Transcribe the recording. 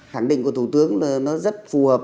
khẳng định của thủ tướng rất phù hợp